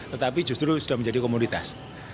tetapi justru sudah menjadi komoditas